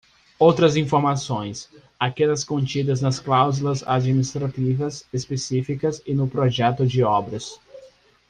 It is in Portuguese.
Outras informações: aquelas contidas nas cláusulas administrativas específicas e no projeto de obras.